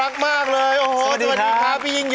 สวัสดีครับ